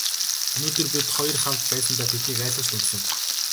Өнөөдөр бид хоёр хамт байсандаа тэднийг айлгаж дөнгөсөн.